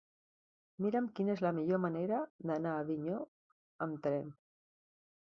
Mira'm quina és la millor manera d'anar a Avinyó amb tren.